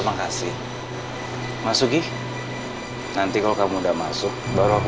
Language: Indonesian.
mbak naya dari mana mbak